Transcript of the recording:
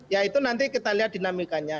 ya itu nanti kita lihat dinamikanya